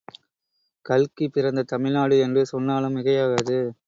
கல்கி பிறந்த தமிழ்நாடு என்று சொன்னாலும் மிகையாகாது.